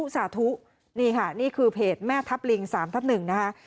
สาธุนี่ค่ะนี่คือเพจแม่ทับลิง๓ทับ๑นะคะ